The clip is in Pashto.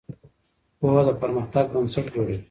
پوهه د پرمختګ بنسټ جوړوي.